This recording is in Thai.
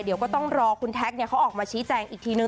เดี๋ยวก็ต้องรอคุณแท็กเขาออกมาชี้แจงอีกทีนึง